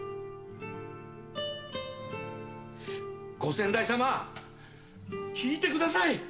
ご先代さま聞いてください。